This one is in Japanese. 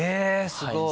すごい。